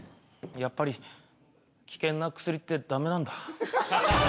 やっぱり危険なクスリってダメなんだ。